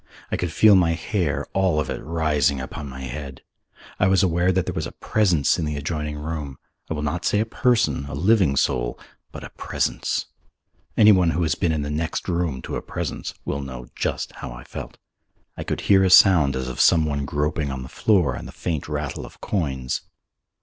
I could feel my hair, all of it, rising upon my head. I was aware that there was a presence in the adjoining room, I will not say a person, a living soul, but a presence. Anyone who has been in the next room to a presence will know just how I felt. I could hear a sound as of some one groping on the floor and the faint rattle as of coins.